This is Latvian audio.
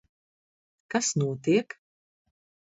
Kas notiek?